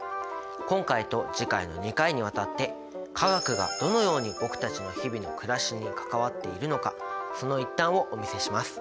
今回と次回の２回にわたって化学がどのように僕たちの日々のくらしに関わっているのかその一端をお見せします。